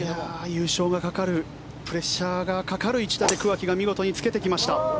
優勝がかかるプレッシャーがかかる１打で桑木が見事につけてきました。